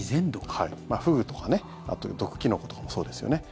フグとかね毒キノコとかもそうですよね。